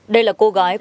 đây là cô gái quê tỉnh